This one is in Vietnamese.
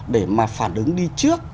để mà phản ứng đi trước